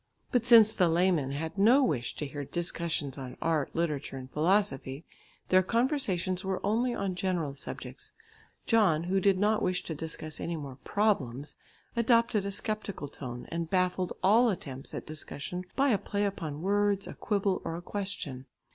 But since the laymen had no wish to hear discussions on art, literature and philosophy, their conversations were only on general subjects. John, who did not wish to discuss any more problems, adopted a sceptical tone, and baffled all attempts at discussion by a play upon words, a quibble or a question.